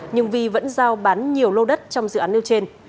nhưng vi vẫn giao bán nhiều lô đất trong dự án nêu trên